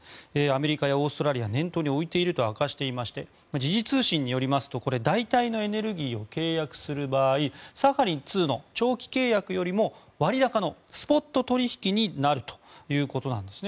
アメリカやオーストラリアを念頭に置いていると明かしていまして時事通信によりますと代替のエネルギーを契約する場合サハリン２の長期契約よりも割高のスポット取引になるということです。